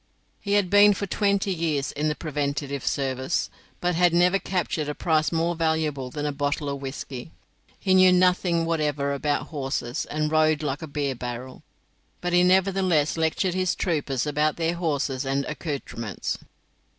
He had been for twenty years in the preventive service, but had never captured a prize more valuable than a bottle of whisky. He knew nothing whatever about horses, and rode like a beer barrel, but he nevertheless lectured his troopers about their horses and accoutrements.